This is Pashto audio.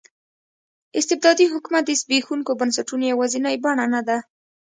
استبدادي حکومت د زبېښونکو بنسټونو یوازینۍ بڼه نه ده.